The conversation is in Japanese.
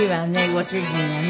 ご主人がね。